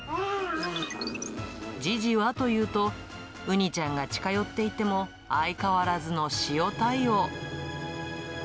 ジジはというと、うにちゃんが近寄っていっても、相変わらずの塩対応。